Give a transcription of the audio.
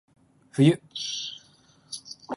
正しいスペルと句読点を使用する。